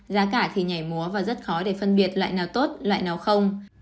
giá cả thì nhảy múa và rất khó để phân biệt loại nào tốt loại nó không